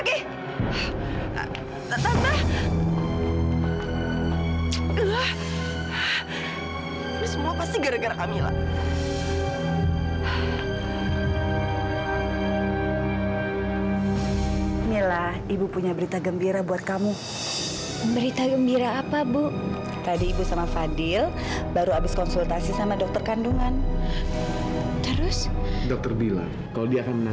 jadi masa tante mau menukar berlian dengan debu gak kan